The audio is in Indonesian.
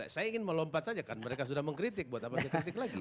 saya ingin melompat saja kan mereka sudah mengkritik buat apa saya kritik lagi